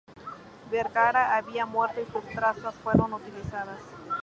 Vergara ya había muerto y sus trazas no fueron utilizadas.